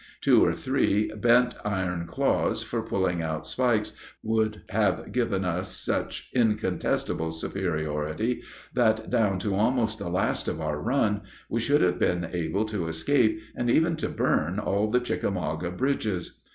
Two or three bent iron claws for pulling out spikes would have given us such incontestable superiority that, down to almost the last of our run, we should have been able to escape and even to burn all the Chickamauga bridges.